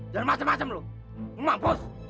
jangan macem macem lo lo mampus